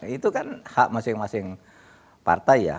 itu kan hak masing masing partai ya